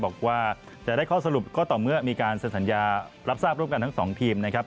บอกว่าจะได้ข้อสรุปก็ต่อเมื่อมีการเซ็นสัญญารับทราบร่วมกันทั้งสองทีมนะครับ